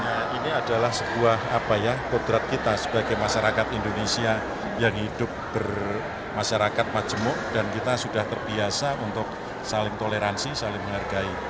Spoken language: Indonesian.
ya ini adalah sebuah apa ya kodrat kita sebagai masyarakat indonesia yang hidup bermasyarakat majemuk dan kita sudah terbiasa untuk saling toleransi saling menghargai